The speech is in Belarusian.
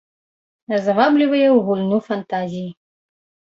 Заваблівае ў гульню фантазіі.